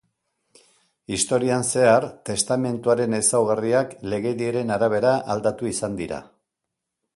Historian zehar testamentuaren ezaugarriak legediaren arabera aldatu izan dira.